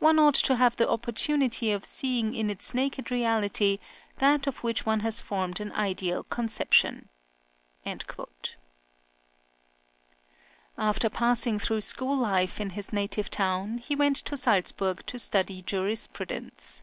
One ought to have the opportunity of seeing in its naked reality that of which one has formed an ideal conception." After passing through school life in his native town, he went to Salzburg to study jurisprudence.